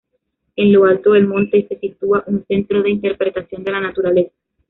En lo alto del monte se sitúa un Centro de Interpretación de la Naturaleza.